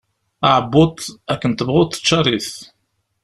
Aεebbuḍ, akken tebɣuḍ ččar-it.